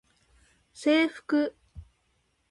制服